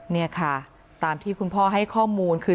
นี่ค่ะตามที่คุณพ่อให้ข้อมูลคือ